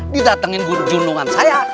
didatengin guru jundungan saya